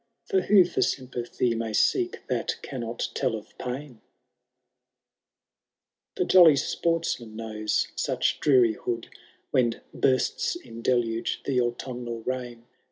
For who for sympathy may seek that cannot tell of pain ? The jolly sportsman knows such drearihood. When bursts in deluge the autumnal rain.